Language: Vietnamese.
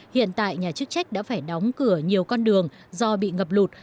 hiện tại nhà chức trách đã phải đóng cửa nhiều con đường do bị ngập lụt